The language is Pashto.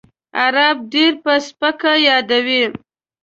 عرب ډېر په سپکه یادوي.